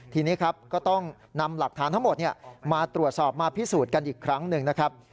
ทีนี้ครับก็ต้องนำหลักฐานทั้งหมดมาตรวจสอบมาพิสูจน์กันอีกครั้งหนึ่งนะครับ